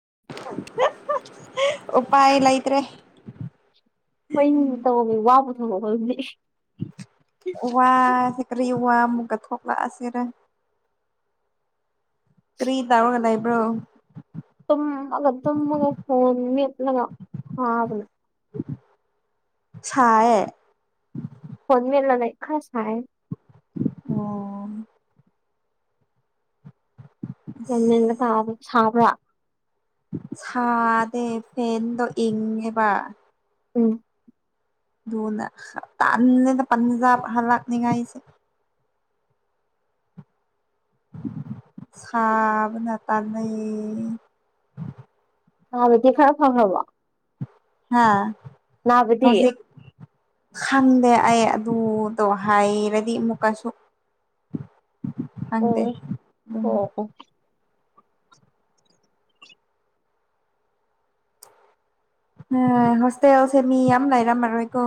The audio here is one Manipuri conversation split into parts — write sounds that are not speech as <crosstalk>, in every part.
<inaudible> ꯎꯄꯥꯏ ꯂꯩꯇ꯭ꯔꯦ <unintelligible> ꯋꯥꯁꯦ ꯀꯔꯤ ꯋꯥ ꯃꯨꯛꯀ ꯊꯣꯛ ꯂꯛ ꯑꯁꯤꯔ ꯀꯔꯤ ꯇꯧꯔꯒ ꯂꯩꯕ꯭ꯔꯣ ꯇꯨꯝꯃꯒ ꯇꯨꯝꯃꯒ ꯐꯣꯟ ꯃꯦꯠꯂꯒ ꯁꯥꯕꯅ ꯁꯥꯌꯦ ꯐꯣꯟꯃꯦꯠꯂ ꯂꯩ ꯈꯔ ꯁꯥꯌꯦ ꯑꯣ ꯒ꯭ꯌꯥꯟꯃꯦꯟꯒ ꯇꯥꯗꯦ ꯁꯥꯕ꯭ꯔꯥ ꯁꯥꯗꯦ ꯐꯦꯟꯗꯣ ꯏꯪꯉꯦꯕ ꯎꯝ ꯗꯨꯅ ꯇꯥꯟꯂꯦꯗ ꯄꯟꯖꯥꯕ ꯍꯂꯛꯅꯤꯉꯥꯏꯁꯦ ꯁꯥꯕꯅ ꯇꯥꯟꯅꯦ ꯁꯥꯕꯗꯤ ꯈꯔ ꯐꯪꯉꯕꯣ ꯍꯥ ꯍꯧꯖꯤꯛ ꯈꯪꯗꯦ ꯑꯩ ꯑꯗꯨꯗꯣ ꯍꯥꯏꯔꯗꯤ ꯑꯃꯨꯛ ꯀꯁꯨ ꯈꯪꯗꯦ ꯑꯣ ꯗꯨꯝ ꯑꯣ ꯑꯣ ꯑꯥ ꯍꯣꯁꯇꯦꯜꯁꯦ ꯃꯤ ꯌꯥꯝ ꯂꯩꯔꯝꯃꯔꯣꯏꯀꯣ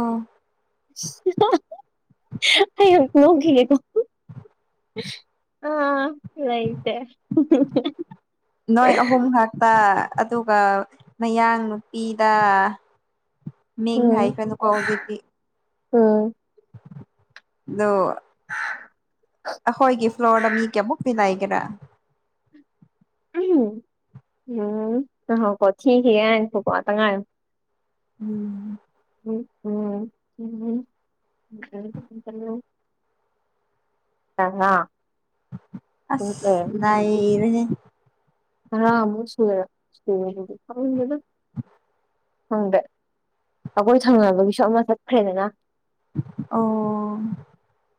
ꯁꯤ ꯍꯥꯍ ꯑꯩ ꯑꯝ ꯅꯣꯛꯈꯤꯒꯦꯀꯣ ꯑꯥ ꯂꯩꯥꯇꯦ ꯍꯝꯍꯝꯍ ꯍ ꯅꯣꯏ ꯑꯍꯨꯝ ꯈꯛꯇ ꯑꯗꯨꯒ ꯃꯌꯥꯡ ꯅꯨꯄꯤꯗ ꯎꯝ ꯃꯤꯡ ꯍꯥꯏꯈ꯭ꯔꯅꯨꯀꯣ ꯍꯧꯖꯤꯛꯇꯤ ꯎꯝ ꯑꯗꯣ ꯑꯈꯣꯏꯒꯤ ꯐ꯭ꯂꯣꯔꯗ ꯃꯤ ꯀꯌꯥꯃꯨꯛꯇꯤ ꯂꯩ ꯒꯦꯔ ꯎꯍꯝ ꯎꯝ ꯉꯥꯏꯈꯣꯀꯣ ꯊꯤꯈꯤꯒꯦ ꯉꯥꯏꯈꯣꯀꯣ ꯉꯥꯇꯪ ꯉꯥꯏꯌꯣ ꯎꯝ <inaudible> ꯇꯔꯥ ꯎꯝ ꯑꯦ ꯑꯁ ꯅꯩꯔꯦꯍꯦ ꯇꯔꯥꯃꯨꯛ ꯁꯨꯒꯦꯔ ꯁꯨꯒꯅꯤ ꯈꯪꯗꯦꯗ ꯈꯪꯗꯦ ꯑꯈꯣꯏ ꯊꯪꯅꯕꯒꯤꯁꯨ ꯑꯃ ꯆꯠꯈ꯭ꯔꯦꯗꯅ ꯑꯣ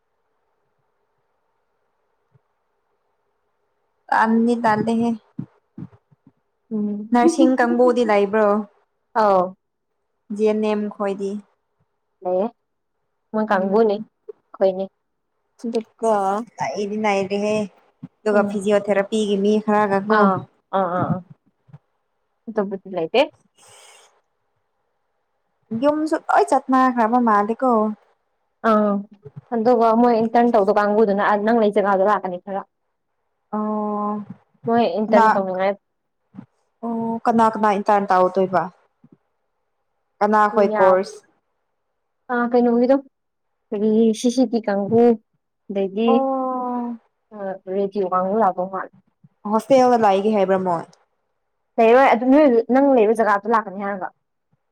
ꯇꯥꯟꯗꯤ ꯇꯥꯜꯂꯦꯍꯦ ꯎꯝ ꯅꯔꯁꯤꯡ ꯀꯥꯡꯕꯨꯗꯤ ꯂꯩꯕ꯭ꯔꯣ ꯑꯥꯎ ꯖꯤ ꯑꯦꯟ ꯑꯦꯝ ꯈꯣꯏꯗꯤ ꯂꯩꯌꯦ ꯃꯣꯏ ꯎꯝ ꯀꯥꯡꯕꯨꯅꯤ ꯑꯈꯣꯅꯦ ꯑꯗꯨꯒ ꯑꯦ ꯑꯗꯨꯒ ꯎꯝ ꯐꯤꯖꯤꯑꯣ ꯊꯦꯔꯥꯄꯤꯒꯤ ꯃꯤ ꯈꯔꯒꯀꯣ ꯑꯥ ꯑꯥ ꯑꯥ ꯑꯥ ꯑꯇꯣꯞꯄꯗꯤ ꯂꯩꯇꯦ ꯌꯨꯝꯁꯨ ꯂꯣꯏ ꯆꯠꯅꯈ꯭ꯔꯕ ꯃꯥꯜꯂꯦꯀꯣ ꯑꯥ ꯑꯗꯨꯒ ꯃꯣꯏ ꯏꯟꯇꯔꯟ ꯇꯧꯗꯣ ꯀꯥꯡꯕꯨꯗꯨꯅ ꯑꯥ ꯅꯪ ꯂꯩ ꯖꯒꯥꯗ ꯂꯥꯛꯀꯅꯤ ꯈꯔ ꯑꯣ ꯃꯣꯏ ꯀꯅꯥ ꯏꯟꯇꯔꯟ ꯇꯧꯅꯤꯡꯉꯥꯏ ꯑꯣ ꯀꯅꯥ ꯀꯅꯥ ꯏꯟꯇꯔꯟ ꯇꯥꯎꯗꯣꯏꯕ ꯀꯅꯥ ꯍꯣꯏ ꯌꯥꯕ ꯀꯣꯔꯁ ꯑꯥ ꯀꯩꯅꯩꯒꯤꯗꯣ ꯀꯔꯤ ꯁꯤꯁꯤ ꯇꯤ ꯀꯥꯡꯕꯨ ꯑꯩꯗꯩꯗꯤ ꯑꯣ ꯑꯥ ꯔꯦꯗꯤꯌꯣ ꯀꯥꯡꯕꯨꯨ ꯂꯥꯛꯇꯧ ꯃꯥꯜꯂꯦ ꯍꯣꯁꯇꯦꯜꯗ ꯂꯩꯒꯦ ꯍꯥꯏꯕ꯭ꯔꯥ ꯃꯣꯏ ꯂꯩꯔꯣꯏ ꯑꯗꯨ ꯅꯣꯏ ꯅꯪ ꯂꯩꯕ ꯖꯒꯥꯗ ꯂꯥꯛꯀꯅꯤ ꯍꯥꯏꯔꯒ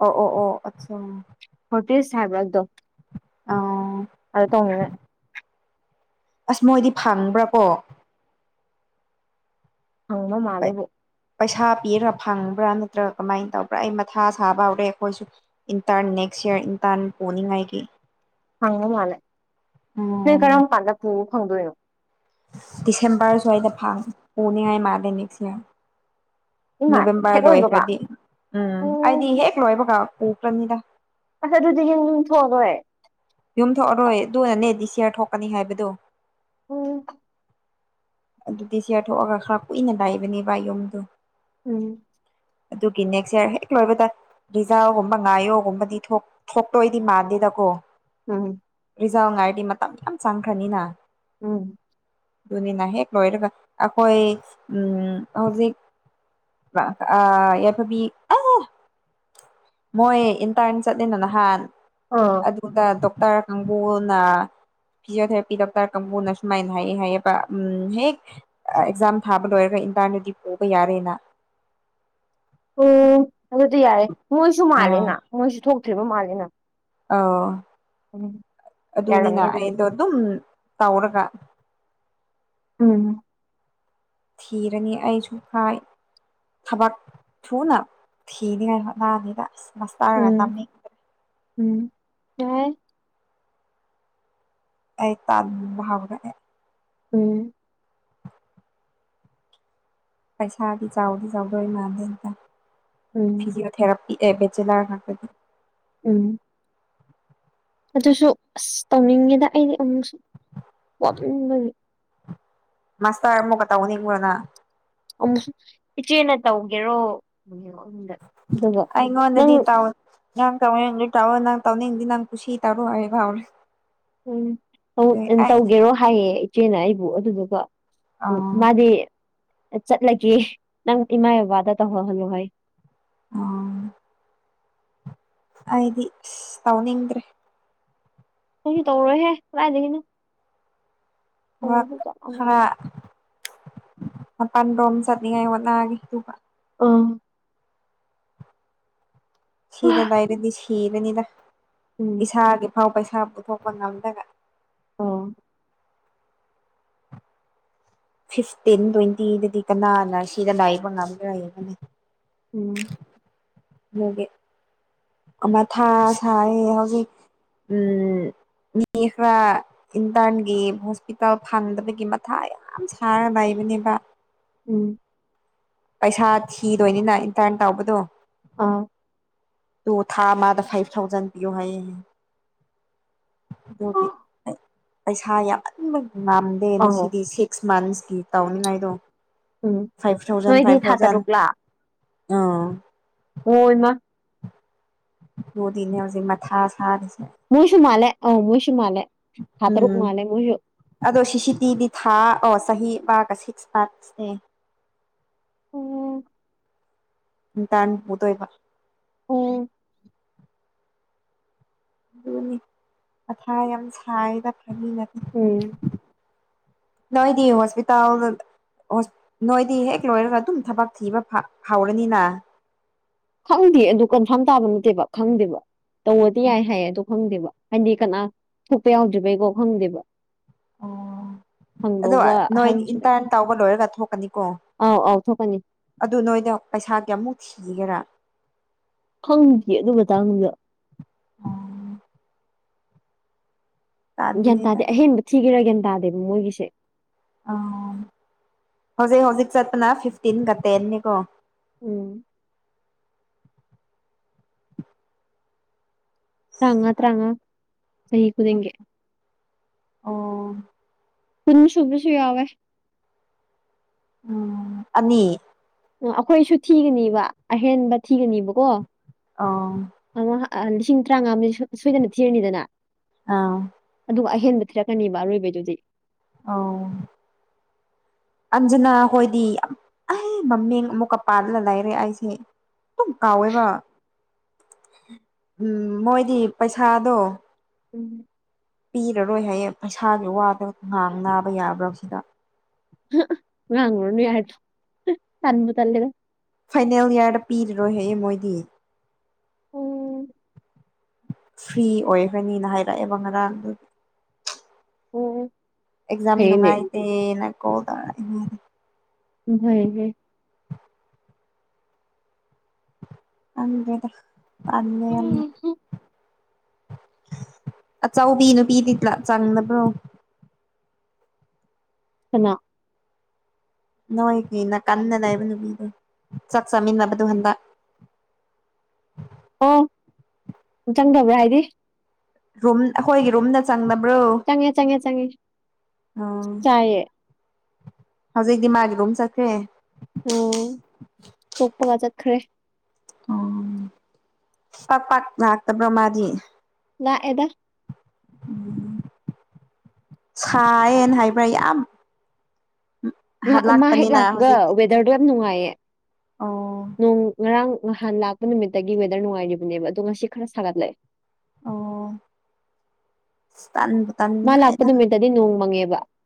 ꯑꯣ ꯑꯣ ꯑꯣ ꯑꯆꯥ ꯄꯤꯁ ꯍꯥꯏꯕ꯭ꯔꯥꯗꯣ ꯑꯣ ꯑꯗꯨ ꯇꯧꯅꯤꯡꯉꯥꯏ ꯑꯁ ꯃꯣꯏꯗꯤ ꯐꯪꯕ꯭ꯔꯥ ꯀꯣ ꯐꯪꯕ ꯃꯥꯜꯂꯦꯕꯨ ꯄꯩꯁꯥ ꯄꯤꯔꯥ ꯐꯪꯕ꯭ꯔꯥ ꯅꯠꯇ꯭ꯔꯒ ꯀꯃꯥꯏꯅ ꯇꯧꯕ꯭ꯔꯥ ꯑꯩ ꯃꯊꯥ ꯁꯥꯕ ꯍꯧꯔꯦ ꯑꯩꯈꯣꯏꯁꯨ ꯏꯟꯇꯔꯟ ꯅꯦꯛꯁ ꯁ꯭ꯌꯔ ꯏꯟꯇꯔꯟ ꯄꯨꯅꯤꯡꯉꯥꯏꯒꯤ ꯐꯪꯕ ꯃꯥꯜꯂꯦ ꯅꯣꯏ ꯎꯝ ꯀꯔꯝ ꯀꯥꯟꯗ ꯄꯨꯕ ꯐꯪꯗꯣꯏꯅꯣ ꯗꯤꯁꯦꯝꯕꯔ ꯁ꯭ꯋꯥꯏꯗ ꯐꯪꯉ ꯄꯨꯅꯤꯡꯉꯥꯏ ꯃꯥꯜꯂꯦ ꯅꯤꯛꯁ ꯌꯔ ꯏꯃꯥꯏ ꯍꯦꯛ ꯅꯕꯦꯝꯕꯔ ꯂꯣꯏꯕꯒ ꯂꯣꯏꯈ꯭ꯔꯗꯤ ꯎꯝ ꯑꯩꯗꯤ ꯍꯦꯛ ꯂꯣꯏꯕꯒ ꯄꯨꯈ꯭ꯔꯅꯤꯗ ꯑꯁ ꯑꯗꯨꯗꯤ ꯍꯦ ꯌꯨꯝ ꯊꯣꯛꯑꯔꯣꯏ ꯌꯨꯝ ꯊꯣꯛꯑꯔꯣꯏ ꯑꯗꯨꯅꯅꯦ ꯗꯤꯁ ꯌꯥꯔ ꯊꯣꯛꯀꯅꯤ ꯍꯥꯏꯕꯗꯨ ꯑꯝ ꯑꯗꯨ ꯗꯤꯁ ꯌꯥꯔ ꯊꯣꯛꯑꯒ ꯈꯔ ꯀꯨꯏꯅ ꯂꯩꯕꯅꯦꯕ ꯌꯨꯝꯗꯨ ꯎꯝ ꯑꯗꯨꯒꯤ ꯅꯦꯛꯁ ꯌꯥꯔ ꯍꯦꯛ ꯂꯣꯏꯕꯗ ꯔꯤꯖꯥꯜꯒꯨꯝꯕ ꯉꯥꯏꯌꯣꯒꯨꯝꯕꯗꯤ ꯊꯣꯛ ꯊꯣꯛꯇꯣꯏꯗꯤ ꯃꯥꯟꯗꯦꯗꯀꯣ ꯎꯝ ꯔꯤꯖꯥꯜ ꯉꯥꯏꯔꯗꯤ ꯃꯇꯝꯗꯤ ꯌꯥꯝ ꯆꯪꯈ꯭ꯔꯅꯤꯅ ꯎꯝ ꯑꯗꯨꯅꯤꯅ ꯍꯦꯛ ꯂꯣꯏꯔꯒ ꯑꯈꯣꯏ ꯎꯝ ꯍꯧꯖꯤꯛ ꯑꯥ ꯌꯥꯏꯐꯕꯤ ꯑꯪ ꯃꯣꯏ ꯏꯟꯇꯔꯟ ꯆꯠꯂꯦꯅ ꯅꯍꯥꯟ ꯑꯥ ꯑꯗꯨꯗ ꯇꯣꯞ ꯇꯔ ꯅꯝꯕꯣꯜꯅ ꯐꯤꯖꯤꯌꯣꯊꯦꯔꯥꯄꯤ ꯗꯣꯛꯇꯔ ꯀꯥꯡꯕꯨꯅ ꯁꯨꯃꯥꯏꯅ ꯍꯥꯏꯌꯦ ꯍꯥꯏꯌꯦꯕ ꯎꯝ ꯍꯦꯛ ꯑꯦꯛꯖꯥꯝ ꯊꯥꯕ ꯂꯣꯏꯔꯒ ꯏꯟꯇ꯭ꯔꯟꯗꯨꯗꯤ ꯄꯨꯕ ꯌꯥꯔꯦꯅ ꯑꯣ ꯑꯗꯨꯗꯤ ꯌꯥꯔꯦ ꯃꯣꯏꯁꯨ ꯑꯥ ꯃꯥꯜꯂꯦꯅ ꯃꯣꯏꯁꯨ ꯊꯣꯛꯇ꯭ꯔꯤꯕ ꯃꯥꯜꯂꯦꯅ ꯑꯧ ꯎꯝ ꯑꯗꯨꯅꯤꯅ ꯌꯥꯔꯝꯅꯤ ꯑꯗꯨꯗꯤ ꯑꯩꯗꯣ ꯑꯗꯨꯝ ꯇꯧꯔꯒ ꯎꯝ ꯊꯤꯔꯅꯤ ꯑꯩꯁꯨ ꯍꯥꯏ ꯊꯕꯛ ꯊꯨꯅ ꯊꯤꯅꯤꯡꯉꯥꯏ ꯍꯣꯠꯅꯅꯤꯗ ꯑꯁ ꯃꯥꯁꯇ꯭ꯔꯒ ꯎꯝ ꯇꯝꯅꯤꯡꯗ꯭ꯔꯦ ꯎꯝ ꯌꯥꯥꯏ ꯑꯩ ꯇꯥꯟꯕꯥꯍꯧꯔꯒꯦ ꯎꯝ ꯄꯩꯁꯥꯗꯤ ꯆꯥꯎꯗꯤ ꯆꯥꯎꯗꯣꯏ ꯃꯥꯟꯂꯦꯗꯦ ꯎꯝ ꯐꯤꯖꯤꯌꯣꯊꯦꯔꯥꯄꯤ ꯑꯦ ꯕꯦꯠꯆꯦꯂꯥꯔ ꯉꯥꯛꯇꯅꯤ ꯎꯝ ꯑꯗꯨꯁꯨ ꯑꯁ ꯇꯧꯅꯤꯡꯉꯦꯗ ꯑꯩꯗꯤ ꯑꯃꯨꯛꯁꯨ ꯋꯥꯃꯟꯕꯒꯤ ꯃꯥꯁꯇꯔ ꯑꯃꯨꯛꯀ ꯇꯧꯅꯤꯡꯕ꯭ꯔꯣ ꯅꯪ ꯑꯃꯨꯛꯁꯨ ꯏꯆꯦꯅ ꯇꯧꯒꯦꯔꯣ ꯑꯗꯨꯒ ꯅꯪ ꯑꯩꯉꯣꯟꯗꯗꯤ ꯇꯧ ꯅꯪ ꯇꯧꯅꯤꯡꯉꯥꯗꯤ ꯇꯧꯋꯣ ꯅꯪ ꯇꯧꯅꯤꯡꯉꯥꯗꯤ ꯅꯪ ꯀꯨꯁꯤ ꯇꯔꯣ ꯍꯥꯏꯕꯥ ꯍꯧꯔꯦ ꯑꯗꯨꯒꯤ ꯎꯝ ꯑꯩ ꯇꯧꯒꯦꯔꯣ ꯍꯥꯏꯌꯦ ꯏꯆꯦꯅ ꯑꯩꯕꯨ ꯑꯗꯨꯒꯀꯣ ꯎꯝ ꯑꯥ ꯃꯥꯗꯤ ꯑꯥ ꯆꯠꯂꯒꯦ ꯅꯪ ꯏꯃꯥꯢ ꯕꯕꯥꯗ ꯇꯧꯍꯜ ꯍꯜꯂꯣ ꯍꯥꯏꯌꯣ ꯑꯣ ꯑꯩꯗꯤ ꯏꯁ ꯇꯧꯅꯤꯡꯗ꯭ꯔꯦ ꯑꯩꯖꯨ ꯇꯧꯔꯣꯏꯍꯦ ꯀꯗꯥꯏꯗꯒꯤꯅꯣ ꯈꯔ ꯇꯧꯔꯁꯨ ꯆꯞ ꯈꯔ ꯃꯥꯟꯅꯕꯅꯤ ꯃꯄꯥꯟ ꯔꯣꯝ ꯆꯠꯅꯤꯡꯉꯥꯏ ꯍꯣꯠꯅꯔꯅꯤ ꯑꯗꯨꯒ ꯑꯝ ꯁꯤꯗ ꯂꯩꯔꯗꯤ ꯁꯤꯔꯅꯤꯗ ꯎꯝ ꯏꯁꯥꯒꯤ ꯐꯥꯎ ꯄꯩ ꯄꯩꯁꯥ ꯄꯨꯊꯣꯛꯄ ꯉꯝꯗ꯭ꯔꯒ ꯑꯣ ꯐꯤꯐꯇꯤꯟ ꯇ꯭ꯋꯦꯟꯇꯤꯗꯗꯤ ꯀꯅꯥꯅ ꯁꯤꯗ ꯂꯩꯕ ꯉꯝꯒꯦꯔ ꯌꯦꯡꯉꯣꯅꯦ ꯎꯝ ꯑꯗꯨꯒꯤ ꯃꯊꯥ ꯁꯥꯔꯦ ꯍꯧꯖꯤꯛ ꯎꯝ ꯃꯤ ꯈꯔ ꯏꯟꯇꯔꯟꯒꯤ ꯍꯣꯁꯄꯤꯇꯥꯜ ꯐꯪꯗꯕꯒꯤ ꯃꯊꯥ ꯌꯥꯝ ꯁꯥꯔꯒ ꯂꯩꯕ ꯗꯨꯅꯦꯕ ꯎꯝ ꯄꯩꯁꯥ ꯊꯤꯗꯣꯏꯅꯤꯅ ꯏꯟꯇꯔꯟ ꯇꯧꯕꯗꯣ ꯑꯥ ꯑꯗꯨ ꯊꯥ ꯑꯃꯗ ꯐꯥꯏꯚ ꯊꯥꯎꯖꯟ ꯄꯤꯌꯣ ꯍꯥꯏꯌꯦ ꯑꯗꯨꯒꯤ ꯄꯩꯁꯥ ꯌꯥꯝꯃꯟꯕ ꯉꯝꯗꯦ ꯑꯧ ꯉꯁꯤꯗꯤ ꯁꯤꯛꯁ ꯃꯟꯁꯀꯤ ꯇꯧꯅꯤꯉꯥꯏꯗꯣ ꯎꯝ ꯐꯥꯏꯚ ꯊꯥꯎꯖꯟ ꯅꯣꯏꯗꯤ ꯐꯥꯏꯚ ꯊꯥ ꯊꯥꯎꯖꯟ ꯇꯔꯨꯛꯂꯥ ꯑꯥ ꯑꯣꯏꯃ ꯑꯗꯨꯅꯦ ꯍꯧꯖꯤꯛ ꯃꯊꯥ ꯁꯥꯔꯤꯁꯦ ꯃꯣꯏꯁꯨꯨ ꯃꯥꯜꯂꯦ ꯑꯣ ꯃꯣꯏꯁꯨ ꯃꯥꯜꯂꯦ ꯊꯥ ꯇꯔꯨꯛ ꯎꯝ ꯃꯥꯜꯂꯦ ꯃꯣꯏꯁꯨ ꯑꯗꯣ ꯁꯤꯁꯤꯇꯤꯗꯤ ꯊꯥ ꯑꯣ ꯆꯍꯤ ꯄ ꯁꯤꯛꯁ ꯄꯔꯥꯠꯁꯅꯦ ꯑꯝ ꯏꯇꯥꯟ ꯄꯨꯗꯣꯏꯕ ꯑꯣ ꯑꯗꯨꯅꯤ ꯃꯊꯥ ꯌꯥꯝ ꯁꯥꯏꯌꯦꯗ ꯐꯥꯕꯤ ꯎꯝ ꯅꯠꯇꯦ ꯅꯣꯏꯗꯤ ꯍꯣꯁꯄꯤꯇꯥꯜꯗ ꯍꯣꯁ ꯅꯣꯏꯗꯤ ꯍꯦꯛ ꯂꯣꯏꯔꯒ ꯑꯗꯨꯝ ꯊꯕꯛ ꯊꯤꯕ ꯐ ꯍꯧꯔꯅꯤꯅ ꯈꯪꯗꯦ ꯑꯗꯨ ꯀꯟꯐꯥꯔꯝ ꯇꯥꯕ ꯅꯠꯇꯦꯕ ꯈꯪꯗꯦꯕ ꯇꯧꯔꯗꯤ ꯌꯥꯏ ꯍꯥꯏꯌꯦ ꯑꯗꯨ ꯈꯪꯗꯦꯕ ꯍꯥꯏꯗꯤ ꯀꯅꯥ ꯊꯣꯛꯄ ꯌꯥꯎꯗ꯭ꯔꯤꯕꯩꯀꯣ ꯈꯪꯗꯦꯕ ꯑꯣ ꯑꯗꯣ ꯍꯪꯗꯧꯕ ꯅꯣꯏ ꯑꯍꯟꯁꯨ ꯂꯩꯇꯦ ꯏꯟꯇꯔꯟ ꯇꯧꯕ ꯂꯣꯏꯔꯒ ꯊꯣꯛꯀꯅꯤꯀꯣ ꯑꯥꯎ ꯑꯥꯎ ꯊꯣꯛꯀꯅꯤ ꯑꯗꯨ ꯅꯣꯏꯗ ꯄꯩꯁꯥ ꯀꯌꯥꯃꯨꯛ ꯊꯤꯒꯦꯔꯥ ꯈꯪꯗꯤꯌꯦ ꯑꯗꯨ ꯃꯇꯥꯡꯗꯨꯗ ꯒ꯭ꯌꯥꯟ ꯇꯜꯂꯤꯗ ꯇꯥꯗꯦ ꯑꯩ ꯑꯍꯦꯟꯕ ꯊꯤꯒꯦꯔꯥ ꯒ꯭ꯌꯥꯟ ꯇꯥꯗꯦꯕ ꯃꯣꯏꯒꯤꯁꯦ ꯑ ꯍꯧꯖꯤꯛ ꯍꯧꯖꯤꯛ ꯆꯠꯄꯅ ꯐꯤꯐꯇꯤꯟꯒ ꯇꯦꯟꯅꯦꯀꯣ ꯎꯝ ꯇ꯭ꯔꯥꯎꯉꯥ ꯇ꯭ꯔꯥꯎꯉꯥ ꯆꯍꯤ ꯈꯨꯗꯤꯡꯒꯤ ꯑꯣ ꯄꯨꯟꯁꯨꯨꯕꯁꯨ ꯌꯥꯎꯋꯦ ꯎꯝ ꯑꯅꯤ ꯎ ꯑꯩꯈꯣꯏꯁꯨ ꯊꯤꯒꯅꯤꯕ ꯑꯍꯦꯟꯕ ꯊꯤꯒꯅꯤꯕꯀꯣ ꯑꯥꯎ ꯑꯥ ꯂꯤꯁꯤꯡ ꯇꯔꯥꯉꯥ ꯑꯝꯗꯤ ꯁꯣ ꯁꯣꯏꯗꯅ ꯊꯤꯔꯅꯤꯗꯅ ꯑꯥ ꯗꯨ ꯑꯍꯦꯟꯕ ꯊꯤꯔꯛꯀꯅꯤꯕ ꯑꯔꯣꯏꯕꯩꯗꯨꯗꯤ ꯑꯧ ꯑꯟꯖꯅꯥ ꯍꯣꯏꯗꯤ ꯃꯝ ꯑꯩ ꯃꯃꯤꯡ ꯑꯃꯨꯛꯀ ꯄꯥꯜꯂ ꯂꯩꯔꯦ ꯑꯩꯁꯦ ꯑꯗꯨꯝ ꯀꯥꯎꯋꯦꯕ ꯎꯝ ꯃꯣꯏꯗꯤ ꯄꯩꯁꯥꯗꯣ ꯎꯝ ꯄꯤꯔꯔꯣꯏ ꯍꯥꯏꯌꯦ ꯄꯩꯁꯥꯒꯤ ꯋꯥꯕ ꯉꯥꯡꯅꯥꯕ ꯌꯥꯕ꯭ꯔꯥ ꯁꯤꯗ ꯉꯥꯡꯉꯨꯔꯅꯨ ꯌꯥꯔꯦꯊꯨ ꯇꯟꯕꯨ ꯇꯟꯂꯦꯗ ꯐꯥꯏꯅꯦꯜ ꯏꯌꯥꯔꯗ ꯄꯤꯔꯔꯣꯏ ꯍꯩꯌꯦ ꯃꯣꯏꯗꯤ ꯎꯝ ꯐ꯭ꯔꯤ ꯑꯣꯏꯒꯔꯅꯤꯅ ꯍꯥꯏꯔꯛꯑꯦꯕ ꯉꯔꯥꯡꯗꯨ ꯑꯣ ꯑꯦꯛꯖꯥꯝ ꯅꯨꯡꯉꯥꯏꯇꯦꯅ ꯀꯣꯜ ꯇꯧꯔꯅꯦ ꯎꯝ ꯍꯥꯏꯔꯒꯦ ꯈꯪꯗꯦꯗꯥ ꯇꯜꯂꯦ ꯌꯥꯝꯅ ꯎꯝ ꯍꯨꯝ ꯑꯆꯧꯄꯤ ꯅꯨꯄꯤꯗꯤ ꯆ ꯆꯪꯗꯕ꯭ꯔꯣ ꯀꯅꯥ ꯅꯣꯏꯒꯤ ꯅꯀꯟꯗ ꯂꯩꯕ ꯅꯨꯄꯤꯗꯨ ꯆꯥꯛ ꯆꯥꯃꯤꯟꯅꯕꯗꯨ ꯍꯟꯗꯛ <inaudible> ꯑꯣ ꯆꯪꯗꯕ꯭ꯔꯥ ꯍꯥꯏꯗꯤ ꯔꯨꯝ ꯑꯩꯈꯣꯏꯒꯤ ꯔꯨꯝꯗ ꯆꯪꯗꯕ ꯕ꯭ꯔꯣ ꯆꯪꯉꯦ ꯆꯪꯉꯦ ꯆꯪꯉꯦ ꯎꯝ ꯆꯥꯏꯌꯦ ꯍꯧꯖꯤꯛꯇꯤ ꯃꯥꯒꯤ ꯔꯨꯝ ꯆꯠꯈ꯭ꯔꯦ ꯎ ꯇꯣꯛꯄꯒ ꯆꯠꯈ꯭ꯔꯦ ꯎ ꯄꯥꯛ ꯄꯥꯛ ꯂꯥꯛꯇꯕ ꯃꯥꯗꯤ ꯂꯥꯛꯑꯦꯗꯥ ꯎ ꯁꯥꯏꯑꯦꯅ ꯍꯥꯏꯕ꯭ꯔꯥ ꯌꯥꯝ ꯉꯍꯥꯛ ꯃꯥ ꯍꯦꯛ ꯍꯜꯂꯛꯄꯅꯤꯅ ꯂꯥꯛꯄꯒ ꯍꯧꯖꯤꯛꯇꯤ ꯋꯦꯗꯔꯗꯣ ꯌꯥꯝ ꯅꯨꯡꯉꯥꯏꯌꯦ ꯑꯣ ꯅꯣꯡ ꯉꯔꯥꯡ ꯅꯍꯥꯟ ꯂꯥꯛꯄ ꯅꯨꯃꯤꯠꯇꯒꯤ ꯋꯦꯗꯔ ꯅꯨꯡꯉꯥꯏꯔꯤꯕꯅꯦꯕ ꯑꯗꯣ ꯉꯁꯤ ꯈꯔ ꯁꯥꯒꯠꯂꯛꯑꯦ ꯑꯣ ꯁꯤ ꯇꯥꯥꯟꯕꯨ ꯃꯥ ꯂꯥꯛꯄ ꯇꯟꯖꯤꯜꯂꯛꯑꯦꯗ ꯅꯨꯃꯤꯠꯇꯗꯤ ꯅꯣꯡ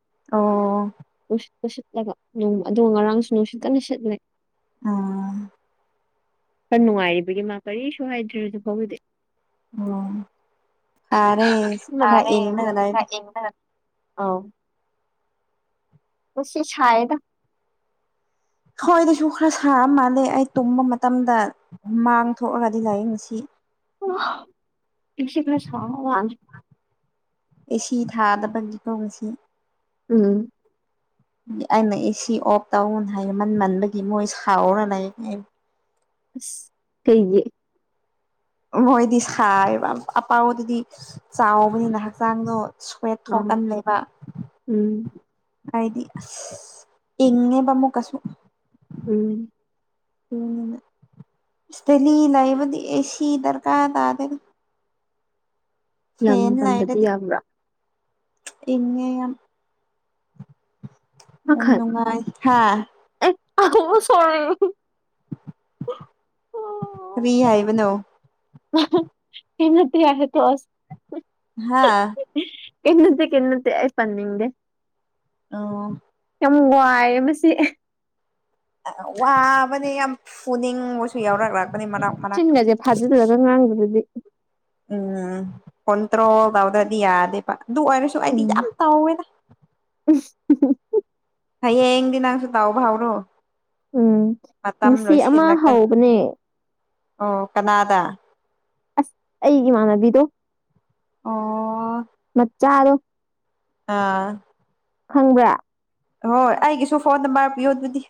ꯑꯣ ꯑꯣ ꯑꯣ ꯅꯨꯁꯤꯠꯂꯒꯣ ꯅꯣꯡ ꯑꯗꯨ ꯉꯔꯥꯡꯁꯨ ꯅꯨꯡꯁꯤꯠ ꯀꯟꯅ ꯁꯤꯠꯂꯦ ꯑꯥ ꯈ꯭ꯔ ꯅꯨꯡꯉꯥꯏꯔꯤꯕꯒꯤ ꯃꯥ ꯀꯔꯤꯁꯨ ꯍꯥꯏꯗ꯭ꯔꯦ ꯍꯧꯖꯤꯛ ꯐꯥꯎꯒꯤꯗꯤ ꯎꯝ ꯁꯥꯔꯦ ꯈꯔ ꯏꯪꯂꯒ ꯈꯔ ꯏꯪꯂ ꯑꯧ ꯈꯨꯠꯁꯤ ꯁꯥꯢꯌꯦꯗ ꯈꯣꯏꯗꯁꯨ ꯈ꯭ꯔ ꯁꯥꯕ ꯃꯥꯜꯂꯦ ꯑꯩ ꯇꯨꯝꯕ ꯃꯇꯝꯗ ꯍꯨꯃꯥꯡ ꯊꯣꯛꯑꯒꯗꯤ ꯂꯥꯏꯌꯦ ꯉꯁꯤ <unintelligible> ꯉꯁꯤ ꯈ꯭ꯔ ꯁꯥꯕ ꯃꯥꯜꯂꯦ ꯑꯦ ꯁꯤ ꯊꯥꯗꯕꯒꯤ ꯀꯣ ꯉꯁꯤ ꯎꯝ ꯑꯩꯅ ꯑꯦꯁꯤ ꯑꯣꯐ ꯇꯧꯅ ꯍꯥꯏꯃꯟꯃꯟꯕꯒꯤ ꯃꯣꯏ ꯁꯥꯎꯔ ꯂꯩ ꯑꯩ ꯏꯁ ꯀꯩꯒꯤ ꯃꯣꯏꯗꯤ ꯁꯥꯏꯌꯦꯕ ꯑꯄꯥꯎꯗꯨꯗꯤ ꯆꯥꯎꯕꯅꯤꯅ ꯍꯛꯆꯥꯡꯗꯣ ꯁ꯭ꯋꯦꯠ ꯑꯥ ꯊꯣꯛꯀꯟꯂꯦꯕ ꯎꯝ ꯑꯩꯗꯤ ꯑꯁ ꯏꯪꯉꯦꯕ ꯑꯃꯨꯛꯀꯁꯨ ꯎꯝ <unintelligible> ꯗꯦꯜꯂꯤ ꯂꯩꯕꯗꯤ ꯑꯦꯁꯤ ꯗꯔꯀꯥꯔ ꯇꯥꯗꯦꯗ ꯂꯝ ꯐꯦꯟ ꯄꯟꯕꯗꯤ ꯂꯩꯔꯗꯤ ꯌꯥꯕ꯭ꯔꯥ ꯏꯪꯉꯦ ꯌꯥꯝ ꯌꯥꯝ ꯃꯈꯜ ꯅꯨꯡꯉꯥꯏ ꯍꯥ <unintelligible> ꯁꯣꯔꯤ ꯀ꯭ꯔꯤ ꯍꯥꯏꯕꯅꯣ <unintelligible> ꯀꯦꯝ ꯅꯠꯇꯦ ꯌꯥꯔꯦ ꯇꯣꯛꯑꯁꯦ ꯍꯥꯥ ꯀꯩꯝ ꯅꯠꯇꯦ ꯀꯩꯝ ꯅꯠꯇꯦ ꯑꯩ ꯄꯟꯅꯤꯡꯗꯦ ꯇꯧꯋꯣ ꯌꯥꯝ ꯋꯥꯏꯌꯦ ꯃꯁꯤ ꯋꯥꯕꯅꯤ ꯌꯥꯝ ꯐꯨꯅꯤꯡꯕꯁꯨ ꯌꯥꯎꯔꯔꯛ ꯆꯤꯟꯒꯁꯦ ꯐꯥꯖꯤꯜꯂꯒ ꯉꯥꯡꯕꯗꯗꯤ ꯎꯝ ꯀꯣꯟꯇ꯭ꯔꯣꯜ ꯇꯧꯗ꯭ꯔꯗꯤ ꯌꯥꯗꯦꯕ ꯑꯗꯨ ꯑꯣꯏꯔꯁꯨ ꯑꯩꯗꯤ ꯎꯝ ꯌꯥꯝ ꯇꯧꯋꯦꯗ <unintelligible> ꯍꯌꯦꯡꯗꯤ ꯅꯪꯁꯨ ꯇꯥꯎꯔꯕ ꯍꯧꯔꯣ ꯎꯝ ꯃꯇꯝ ꯉꯁꯤ ꯑꯃ ꯂꯣꯏꯁꯤꯜꯂꯛꯇꯅ ꯍꯧꯕꯅꯦ ꯑꯣ ꯀꯅꯥꯗ ꯑꯁ ꯑꯩꯒꯤ ꯏꯃꯥꯟꯅꯕꯤꯗꯣ ꯑꯣ ꯃꯠꯆꯥꯥꯗꯣ ꯑꯥ ꯈꯪꯕ꯭ꯔꯥ ꯍꯣꯏ ꯑꯩꯒꯤꯁꯨ ꯐꯣꯟ ꯅꯝꯕꯔ ꯄꯤꯌꯣ ꯑꯗꯨꯗꯤ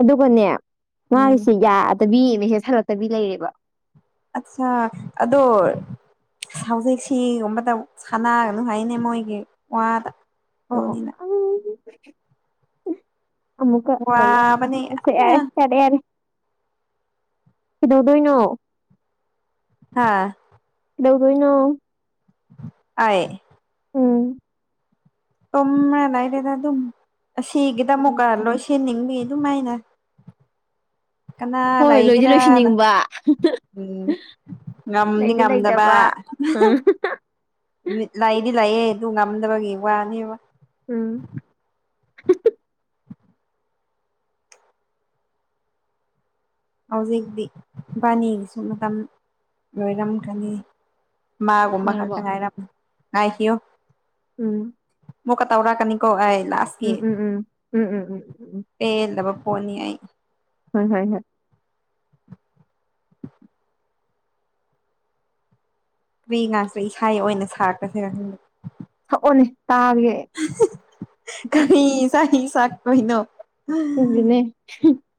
ꯑꯗꯨꯒꯅꯦ ꯎꯝ ꯃꯒꯤꯁꯦ ꯌꯥꯗꯕꯤ ꯃꯦꯁꯦꯁ ꯍꯜꯂꯛꯇꯕꯤ ꯂꯩꯔꯦꯕ ꯑꯠꯁꯥ ꯑꯗꯣ ꯍꯥꯎꯖꯤꯛꯁꯤꯒꯨꯝꯕꯗ ꯁꯥꯟꯅꯒꯅꯨ ꯍꯥꯏꯌꯦꯅꯦ ꯃꯣꯏꯒꯤ ꯋꯥꯗ ꯑꯣ ꯑꯣ ꯑꯗꯨꯅꯤꯅ ꯈꯪꯗꯦꯗ ꯑꯃꯨꯛꯀ ꯑꯧ ꯋꯥꯕꯅꯦ ꯑꯁ ꯌꯥꯝꯅ ꯌꯥꯔꯦ ꯌꯥꯔꯦ ꯌꯥꯔꯦ ꯀꯩꯗꯧꯗꯣꯏꯅꯣ ꯍꯥꯥ ꯀ ꯩꯗꯧꯗꯣꯏꯅꯣ ꯑꯥꯏ ꯇꯨꯝꯔ ꯂꯩꯔꯦꯗ ꯑꯗꯨꯝ ꯑꯁꯤꯒꯤꯗ ꯑꯃꯨꯛꯀꯥ ꯎꯝ ꯂꯣꯏ ꯁꯤꯟꯅꯤꯡ ꯑꯦ ꯑꯗꯨꯝꯃꯥꯏꯅ ꯀꯅꯥ ꯍꯣꯏ ꯂꯣꯏꯗꯤ ꯂꯩꯒꯦꯔꯥꯅ ꯂꯣꯏꯁꯤꯟꯅꯤꯡꯕ ꯎꯝ ꯉꯝꯅꯤ ꯂꯩꯗꯤ ꯉꯝꯗꯕ ꯂꯩꯇꯕ ꯎꯝ <unintelligible> ꯃꯤꯠ ꯂꯩꯗꯤ ꯂꯩꯌꯦ ꯑꯗꯨ ꯉꯝꯗꯕꯒꯤ ꯋꯥꯅꯦꯕ ꯎꯝ <unintelligible> ꯍꯧꯖꯤꯛꯇꯤ ꯏꯕꯥꯅꯤꯒꯤꯁꯨ ꯃꯇꯝ ꯂꯣꯏꯔꯝꯒꯅꯤ ꯃꯥꯒꯨꯝꯕ ꯈꯛꯇ ꯌꯥꯔꯕꯣ ꯉꯥꯏꯔꯝꯃꯦ ꯉꯥꯏꯈꯤꯌꯣ ꯎꯝ ꯃꯨꯛꯀ ꯇꯧꯔꯛꯀꯅꯤꯀꯣ ꯑꯩ ꯂꯥꯁꯀꯤ ꯎꯝ ꯎꯝ ꯎꯝ ꯎꯝ ꯎꯝ ꯎꯝ ꯎꯝ ꯎꯝ ꯄꯦꯜꯂꯕ ꯐꯣꯟꯅꯤ ꯑꯩ ꯍꯣꯏ ꯍꯣꯏ ꯍꯣꯏ <unintelligible> ꯏꯁꯥꯒꯤ ꯑꯣꯏꯅ ꯁꯥꯈ꯭ꯔꯁꯦꯔꯥ ꯈꯪꯗꯦ ꯍꯛꯑꯣꯅꯦ <unintelligible> ꯀꯔꯤ ꯏꯁꯩ ꯁꯛꯇꯣꯏꯅꯣ <unintelligible>